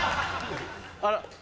あら？